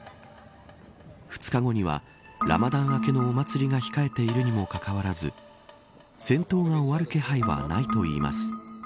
２日後には、ラマダン明けのお祭りが控えているにもかかわらず戦闘が終わる気配はないといいます。